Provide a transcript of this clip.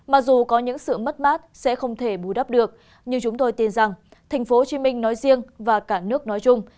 mặc dù có những sự mất mát sẽ không thể bù đắp được nhưng chúng tôi tin rằng tp hcm nói riêng và cả nước nói chung